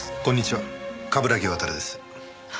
こんにちは冠城亘です。